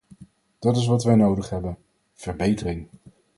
Dat is wat wij nodig hebben - verbetering.